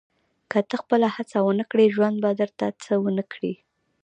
• که ته خپله هڅه ونه کړې، ژوند به درته څه ونه کړي.